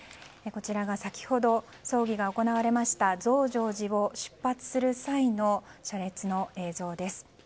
こちらが先ほど葬儀が行われました増上寺を出発する際の車列の映像です。